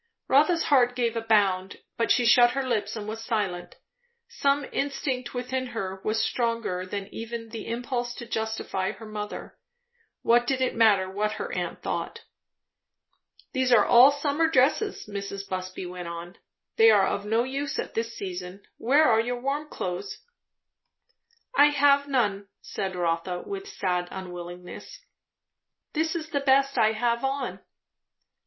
Rotha's heart gave a bound, but she shut her lips and was silent. Some instinct within her was stronger than even the impulse to justify her mother. What did it matter, what her aunt thought? "These are all summer dresses," Mrs. Busby went on. "They are of no use at this season. Where are your warm clothes?" "I have none," said Rotha, with sad unwillingness. "This is the best I have on."